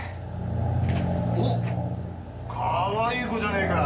おっかわいい子じゃねえか。